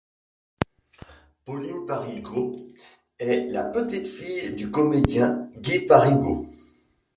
Pauline Parigot est la petite-fille du comédien Guy Parigot.